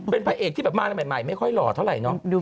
เป็นประแบบใหม่ไม่ค่อยหล่อเท่าไหร่เนอะ